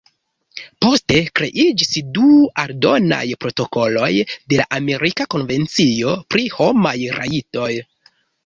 Poste kreiĝis du aldonaj protokoloj de la Amerika Konvencio pri Homaj Rajtoj.